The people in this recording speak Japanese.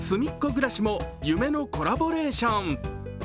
ぐらしも夢のコラボレーション。